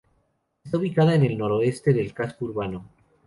Está ubicada en el noroeste del casco urbano.